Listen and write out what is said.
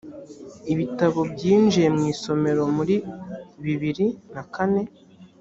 ibitabo byinjiye mu isomero muri bibiri nakane.